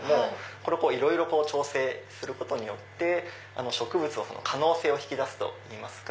これをいろいろ調整することによって植物の可能性を引き出すといいますか。